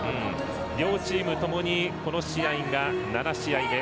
両チームともにこの試合が７試合目。